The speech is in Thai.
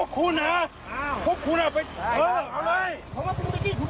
คุณน่ะน่ะโปรด